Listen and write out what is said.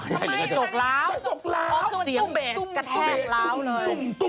ทำไมหรือเปล่ากระจกล้าวเพราะเสียงเบสกระแทกล้าวเลย